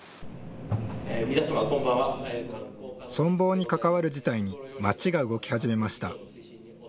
存亡に関わる事態に町が動き始めました。